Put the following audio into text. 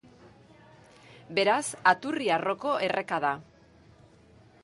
Beraz Aturri arroko erreka da.